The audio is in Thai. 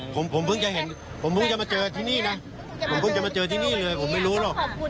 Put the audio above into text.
ผมเพิ่งจะมาเจอที่นี่นะผมเพิ่งจะมาเจอที่นี่เลยผมไม่รู้หรอก